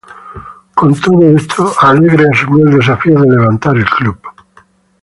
Con todo esto, Alegre asumió el desafío de levantar al club.